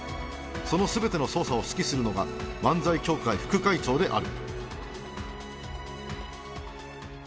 その全ての捜査を指揮するのが漫才協会副会長である